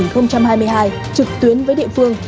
năm hai nghìn hai mươi hai trực tuyến với địa phương